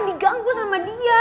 diganggu sama dia